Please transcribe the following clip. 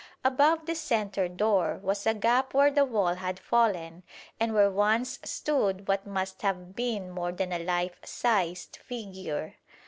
Above the centre door was a gap where the wall had fallen and where once stood what must have been more than a life sized figure.